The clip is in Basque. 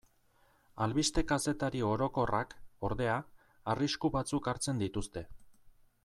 Albiste-kazetari orokorrak, ordea, arrisku batzuk hartzen dituzte.